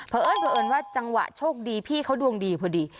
เผอิญว่าจังหวะโชคดีพี่เขาดวงดีพอดี